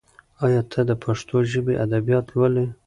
ایا ته د پښتو ژبې ادبیات لولي؟